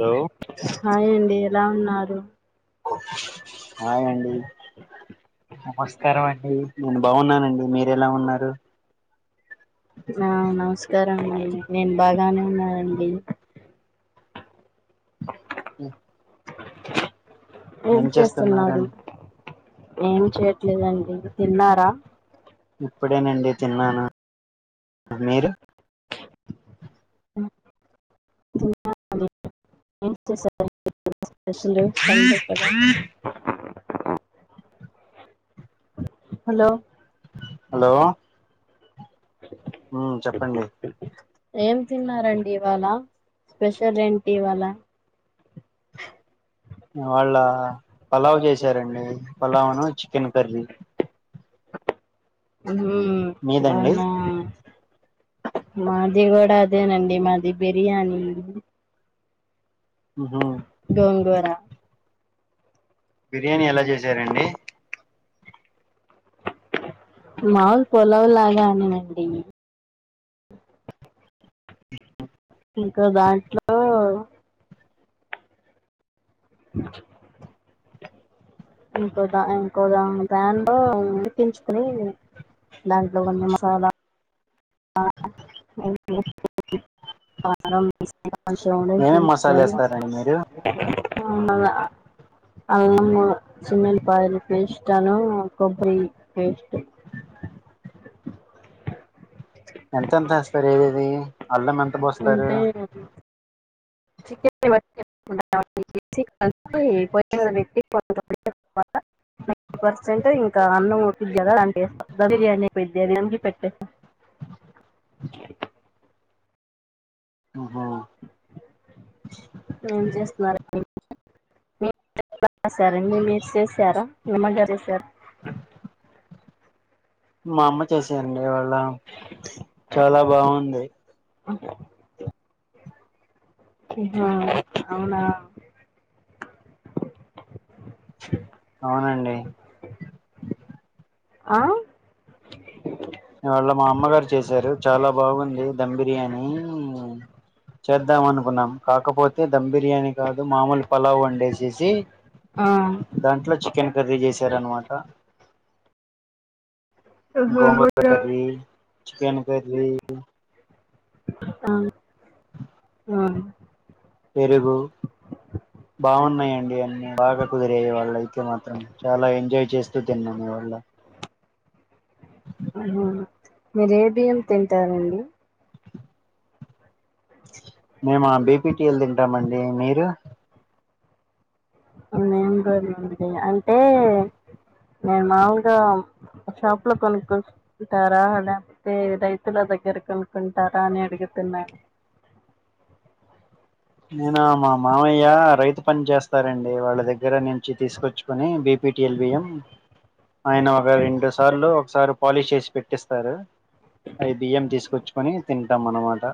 Hello hi అండి ఎలా ఉన్నారు హయ్ అండి నమస్కారం అండి నేను బాగున్నానండి మీరు ఎలా ఉన్నారు ఆ నమస్కారం అండి నేను బాగానే ఉన్నానండి ఉ ఏం చేస్తున్నారు చేస్తున్నారండి ఏం చేయట్లేదండి తిన్నారా ఇప్పుడేనండి తిన్నాను మీరు ఎం చేసారాండి స్పెషల్ సండే కదా హలో హలో ఉమ్ చెప్పండి ఏం తిన్నారండి ఇవాళ స్పెషల్ ఎంటి ఇవాళ ఈ వాళ్ళ పలావ్ చేసారండి పలావును చికెన్ కర్రీ ఉ మీదండి అవునా మాది గూడా అదేనండి మాది బిర్యానీ ఉహు గోంగూర బిర్యానీ ఎలా చేశారండి మాములు పులావు లాగానే అండి డిట్టో ఇంకా దాంట్లో మంచిది ఇంకో దా ఇంకోదా ప్యాన్లో ఉడికించుకొని దాంట్లో కొనీ మసాలా [unintelligible] కొంచేమ్ ఏమేమి మసాలా ఉడీకించుకొని వేస్తారండి మీరు [unintelligible] అ అల్లమ్ వెల్లుల్లి పేస్ట్ ను కొబ్బరి పెస్ట్ ఎంత ఎంత ఎస్తారు ఇవి అల్లం ఎంత పోస్తారు చికేన్ బట్టి చే కలిపి పోయిమీద పెట్టి కొంత సేపు తర్వాత నైటి పర్సెంట్ ఇంకా అన్నం ఉడకిద్ది కదా అందులో ఎస్తా బిర్యానీ పెద్ద పెట్టే ఆహ ఏం చేస్తున్నారండి మీరు చేసారండి మీరు చేసారా నీమజరి సార్ మా అమ్మ చేశారండి ఈ వాళ్ళ చాలా బాగుంది అ ఆహా అవునా అవునండి ఆ ఇవాళ్ళ మా అమ్మగారు చేశారు చాలా బాగుంది ధమ్ బిర్యానీ చేద్దాం అనుకున్నాం కాకపోతే ధమ్ బిర్యానీ కాదు మామూలు పలావు వండేసేసి ఆ దాంట్లో చికెన్ కర్రీ చేసారనమాట ఆ గోంగుర్ కర్రీ చికెన్ కర్రీ [inaudible] ఆ పెరుగు బాగున్నాయండి అన్ని బాగా కుదిరేయే ఇవాళ్ళ అయితే మాత్రం చాలా ఎంజాయ్ చేస్తూ తిన్నాం ఇవాళ్ళ ఆహ మీరేబియ్యం తింటారండి మేమ బిపిటిఎల్ తింటామండి మీరు మేం కూడానండి ఆన్ నేన్ మాములుగా షాప్ లో కొనుకునీ కుంటారా లేకపోతే రైతుల దగ్గర కొనుక్కుంటారా అని అడుగుతున్నాను నేన మా మావయ్య రైతు పని చేస్తారండి వాళ్ళు దగ్గర నుంచి తీసుకొచ్చుకొని బిపిటిఎల్ బిఎం ఆయన ఒక రెండు సార్లు ఒకసారి పాలిష్ చేసి పెట్టిస్తారు అవి బియ్యం తీసుకొచ్చుకొని తింటాం అన్నమాట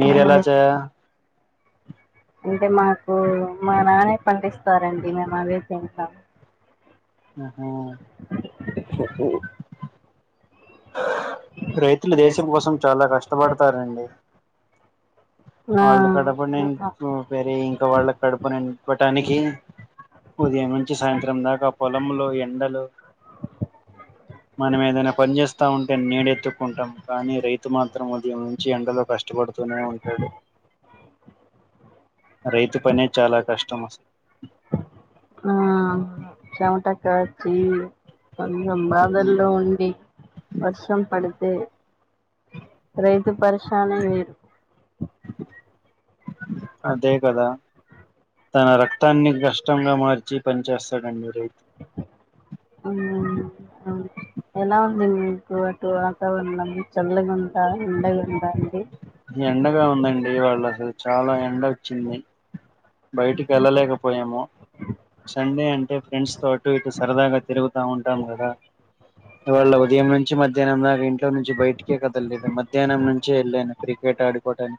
మీర ఎలా ఆహా. చ అంటే మాకు మా నానే పండిస్తారండి మేము అవే తింటాం ఆహ రైతులు దేశం కోసం చాలా కష్టపడతారండి వాళ్ళ కడుపు ఆ నింప్ పెరీ ఇంకా వాళ్ళ కడుపు నింపటానికి ఉదయం నుంచి సాయంత్రం దాకా పొలములో ఎండలో మనం ఏదైనా పని చేేస్తా ఉంటే నీడెత్తుకుంటాం కానీ రైతు మాత్రం ఉదయం నుంచి ఎండలో కష్టపడుతూనే ఉంటాడు రైతు పనే చాలా కష్టం అసల్ ఆ చెమట కార్చి కొంసం బాదల్లో ఉండి వర్షం పడితే రైతు పరేషనే వేరు అదే కదా తన రక్తాన్ని కష్టంగా మార్చి పనిచేస్తాడండి రైతు అవునండి అవును ఎలా ఉంది మీకు అటు వాతావరణం చల్లగుంద ఎండగుందా అండి ఎండగా ఉందండి ఇవాళ్ళ అసలు చాలా ఎండ వచ్చింది బయటికి వెళ్ళలేకపోయాము సండే అంటే ఫ్రెండ్స్ తో అటు ఇటు సరదాగా తిరుగుతా ఉంటాం కదా ఇవాళ ఉదయం నుం నుంచి మధ్యాహ్నం దాకా ఇంట్లో నుంచి బయటికే కదలిదు మధ్యాహ్నం నుంచే వెళ్ళాను క్రికెట్ ఆడుకోవడానికి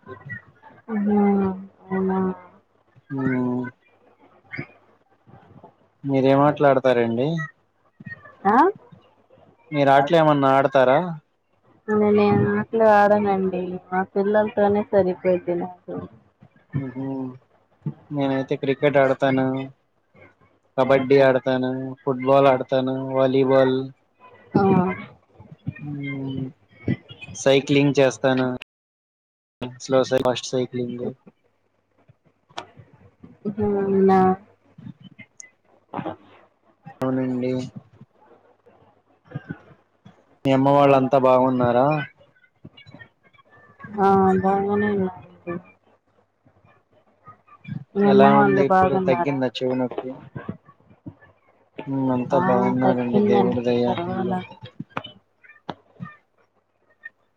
ఆహా అవునా ఉమ్ మీరే ఏం ఆటలుడుతారండి ఆ మీరు ఆట్లేమన్నా ఆడతారా ఆ నేను ఏం ఆటలు ఆడానండి మా పిల్లలతోనే సరిపోది నాకు ఉహుమ్ నేనైతే క్రికెట్ ఆడతాను కబడ్డీ ఆడతాను, ఫుట్బాల్ ఆడతాను, వాలీబాల్ ఆ సైక్లింగ్ చేస్తాను స్లో సై ఫస్ట్ సైక్లింగ్ ఉహుమ్ నంద అవునండి మీ అమ్మ వాళ్ళంతా బాగున్నారా ఆ బాగనే ఉన్నారండి మీ ఎలా అమ్మ ఉంది వాళ్ళు ఇప్పుడు బాగున్నారా తగ్గిందా చెవి నొప్పి వ్మ్ అంతా ఆ బాగున్నారండి తగ్గిందండి దేవుడి దయ వల్ల పర్వాలా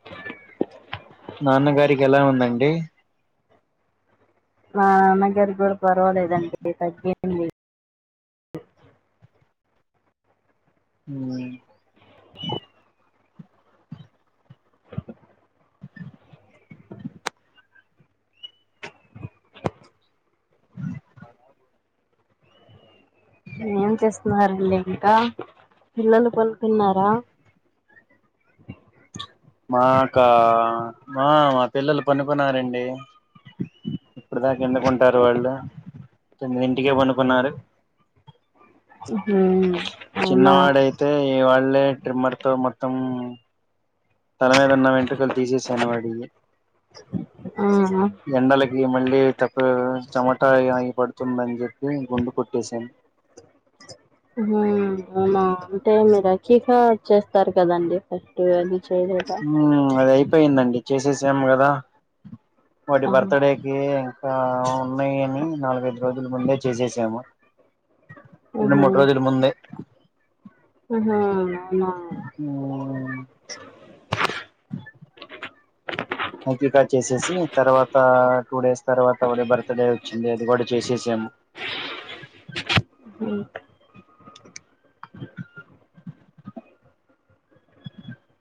అ నాన్నగారికి ఎలా ఉందండి మా నాన్నగారి కూడా పర్వాలేదండి [inaudible] తగ్గి వ్మ్ ఆ ఏం చేస్తున్నారంండి ఇంకా పిల్లలు పలుకున్నారా మాకా మా మా పిల్లలు పనుకున్నారండి ఇప్పుడు దాకా ఎందుకుంటారు తొమ్మిది ఇంటికే పండుకున్నారు ఆహ చిన్నవాడయితే ఈ వాళ్ళే ట్రిమ్మర్ తో మొత్తం తనమీదున్న వెంట్రుకలు తీసేసాను వాడియి ఆ ఈ ఎండాలకి మళ్ళీ టేప్ ప చెమటా అగి అగి పడుతుంది అని చెప్పి గుండు కొట్టేసాను అవునా అంటే మీరుఖీగా చేస్తారు కదండి ఫస్ట్ అది [unintelligible] వ్మ్ అది అయిపోయిందండి చేసేసాం కదా వాటి ఆహా బర్త్డే ఏ ఇంకా ఉన్నాయి అని నాలుగైదు రోజుల ముందే చేసేసాము ఇగ మూడు రోజులు ముందే ఆహ ఆ అకికట్ చేసేసి తర్వాత టూ డేస్ తర్వాత వాడి బర్త్ డే వచ్చింది అది కూడా చేసేసాము ఉహుమ్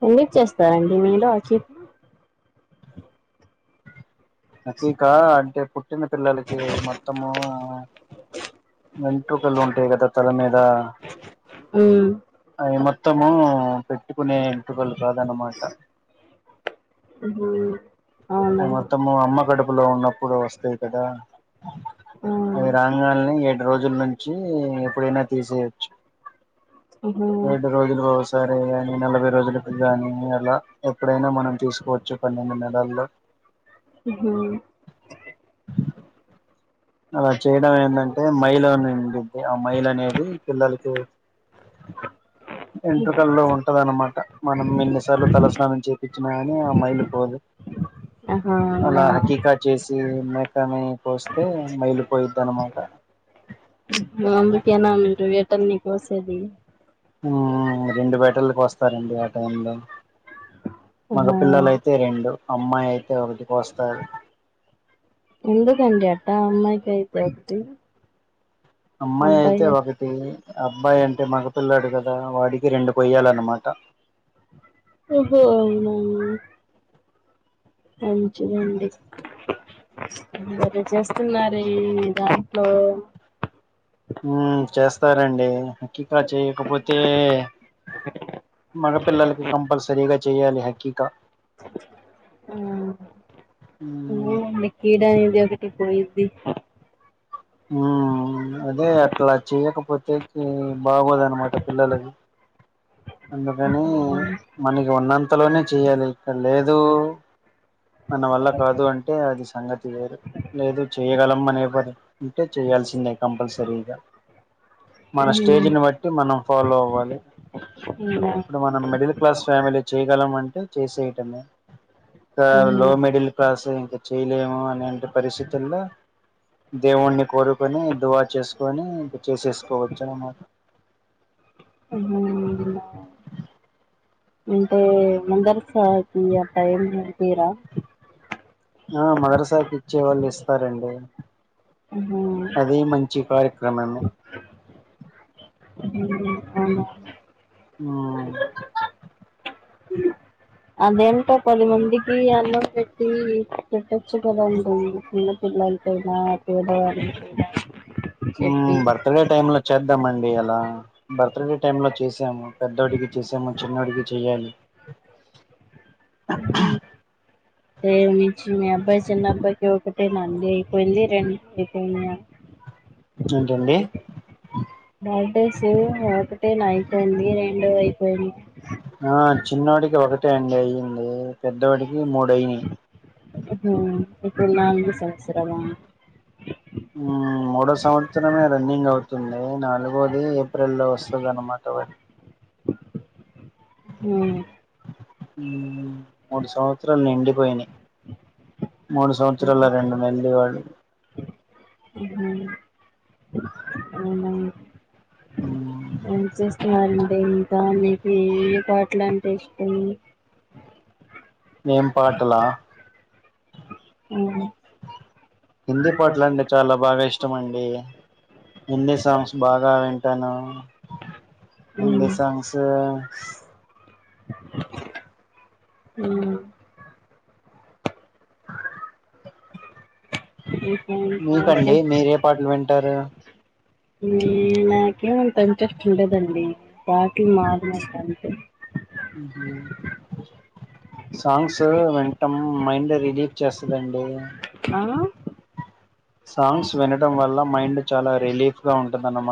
ఎన్ని ఇచ్చేస్తారండి మీలో అచీవ్ నీచికా అంటే పుట్టిన పిల్లలకి మొత్తము వెంట్రుకలు ఉంటాయి కదా తల మీద హ్మ్ అవి మొత్తము పెట్టుకునే ఏంట్రుకలు కాద అన్నమాట ఓహొ మొత్తము అమ్మ కడుపులో ఉన్నప్పుడు వస్తాయి కదా ఆ అది రాంగాలల్నే ఏడు రో ద్దున్నుంచి ఎప్పుడైనా తీసేయచ్చు ఉహుమ్ ఏడు రోజు [unintelligible] సారి కాని నలభై రోజులకు కాని అలా ఎప్పుడైనా మనం తీసుకోవచ్చు పన్నెండు నెలల్లో ఉహు అలా చేయడం ఏందంటె మైలుని ఉండింది ఆ మైలు అనేది పిల్లలకి వెంట్రుకలల్లో ఉంటద అన్నమాట మనం ఎన్నిసార్లు తలస్నానం చేపించినా కాని ఆ మైలు పోదు ఆహా నా అలా హకీకా చేసి మేకని కోస్తే వెళ్ళిపోయిద్ది అనమాట అందుకేనా మీ ఇంట్లో యాటల్నీ కోసేది ఆ రెండు వేటలనీ కోస్తారండి ఆ టైమ్ లో మగ ఆహా పిల్లలయితే రెండు అమ్మాయి అయితే ఒకటి కోస్తారు ఎందుకండి అట్ట అమ్మాయికి అయితే ఒకటి అమ్మాయి అయితే అబ్బాయి ఒకటి అబ్బాయి అంటే మగపిల్లోడు కదా వాడికి రెండు కోయ్యాలన్నమాట ఓహో మంచిది అండి మరి చేస్తున్నారు దాంట్లో ఉ చేస్తారండి హాకీకా చేయకపోతే మగ పిల్లలకి కంపల్సరీగా చెయాలి హకిీకా ఉ మ్మ్ ఇంగ ఏమిలే ఈడ ఏమి ఒకటి పోయింది ఊ అదే అట్లా చేయకపోతే బాగోదనమాట పిల్లలకి అందుకని మనకి ఉన్నంతలోనే చెయ్యాలి ఇక్కడ లేదు మన వల్ల కాదు అంటే అది సంగతి వేరు లేదు చేయ్యగలం అనే పాటి ఉంటే చేయాల్సిందే కంపల్సరీగా మన మ్మ్ అవునా స్టేజ్ని బట్టి మనం ఫాలో అవ్వాలి ఆహా ఇప్పుడు మనం మిడిల్ క్లాస్ ఫ్యామిలీ చేయగలం అంటే చేసేయటమే గా ఆహా లో మీడిల్ సు ఇంకా చెయలేము అనేంటి పరిస్థితుల్లో దేవుణ్ణి కోరుకొని దువా చేసుకొని ఇంక చేసేసుకోవచ్చు అన్నమాట అమ్మ వుందినా అంటే మందర్సా [unintelligible] నేర్పిరా ఆ మదర్సా కి ఇచ్చే వాళ్ళు ఇస్తారండి అవునా అది మంచి కార్యక్రమమే ఉ అవునా ఆ అదేంటో పది మందికి అన్నం పెట్టి పెట్టచ్చు కదా అండి చిన్న పిల్లలకైన పేద వాళ్ళకి అయిన ఊ బర్త్డే టైమ్ లో చేద్దాం అండి అలా బర్త్డే టై లో చేసి సాము పెద్దోడికి చేసాము చిన్నోడికి చేయాలి [inaudible] అ రేపటి నించి మీ అబ్బాయి చిన్న అబ్బాయికి ఒకటేనా అండి పెళ్ళి రెండు అయిపోయింద ఏంటండి బర్డేస్ ఒకటేనా అయిపోయింది రెండు అయిపోయి ఆ చిన్నోడికి ఒకటే అండి అయింది పెద్ధోడికి మూడు అయినాయి ఉహు ఇప్పుడు నాలుగో సంవత్సరమా ఉ మూడో సంవత్సరమే రన్నింగ్ అవుతు వంది నాలుగోది ఏప్రిల్లో వస్తుంది అనమాట ఉ మూడు సంవత్సరాలు నిండిపోయి మూడు సంవత్సరాల రెండు మల్లి వాడు ఉహు మ్మ్ అ చేస్తున్నారండి ఇంకా మీకు ఏ పాటల అంటే ఇష్టం నేం పాటలా అ హిందీ పాటల అండి చాలా బాగా ఇష్టమ అండి హిందీ సాంగ్స్ బాగా వెన్ టను హిందీ ఉమ్ సంగ్స్ ఉ ఉ మీకండి మీరే ఎ పాటలు వింటారు నాకేం అంత ఇంట్రెస్ట్ ఉండదండి బాకి మారిన అంతే సాంగ్స్ వెన్ టమ్ మైండ్ రిలీఫ్ చేస్తదండి ఆ సాంగ్స్ వినడం వల్ల మైండ్ చాలా రిలీఫ్గా ఉంటదన్నమా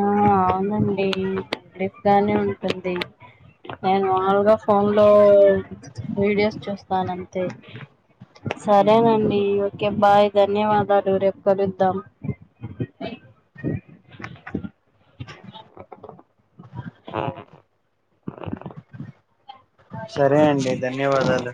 ఆ అవునండి బఫ్ గానే ఉంటుంది నేను మామూలుగా ఫోన్లో వీడియోస్ చూస్తాను అంతే మ్మ్ సరేనండి ఓకే బాయ్ ధన్యవాదాలు రేపు కలుద్దాం సరే అండి ధన్యవాదాలు